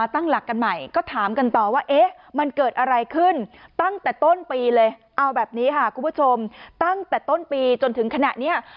ตั้งแต่ต้นปีจนถึงขณะนี้